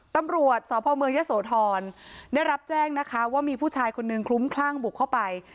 ตำรวจสพเมืองยะโสธรได้รับแจ้งนะคะว่ามีผู้ชายคนนึงคลุ้มคลั่งบุกเข้าไป